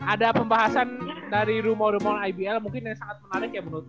ada pembahasan dari rumor rumor ibl mungkin yang sangat menarik ya menurut